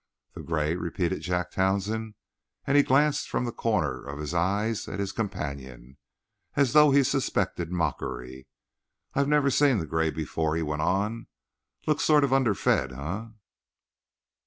"The gray?" repeated Jack Townsend, and he glanced from the corner of his eyes at his companion, as though he suspected mockery. "I never seen the gray before," he went on. "Looks sort of underfed, eh?"